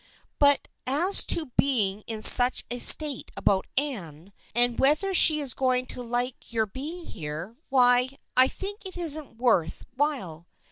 But as to being in such a state about Anne, and whether she is going to like your being here, why, I think it isn't worth while.